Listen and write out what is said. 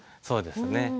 そうですね。